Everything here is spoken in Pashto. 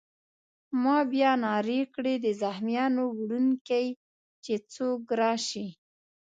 ما بیا نارې کړې: د زخمیانو وړونکی! چې څوک راشي.